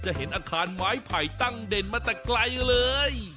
เห็นอาคารไม้ไผ่ตั้งเด่นมาแต่ไกลเลย